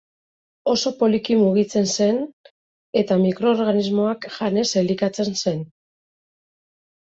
Oso poliki mugitzen zen eta mikroorganismoak janez elikatzen zen.